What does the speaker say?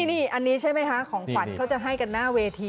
นี่อันนี้ใช่ไหมคะของขวัญเขาจะให้กันหน้าเวที